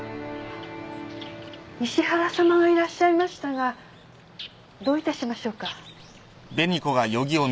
石原さまがいらっしゃいましたがどういたしましょうか？